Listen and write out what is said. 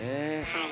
はい。